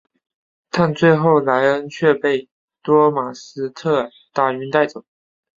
但最后莱恩却被多马斯特打晕带走。